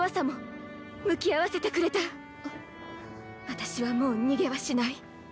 私はもう逃げはしない。